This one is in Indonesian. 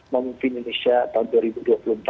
memimpin indonesia tahun dua ribu dua puluh empat